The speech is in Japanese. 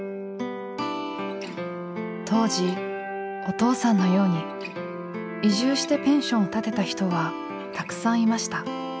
当時お父さんのように移住してペンションを建てた人はたくさんいました。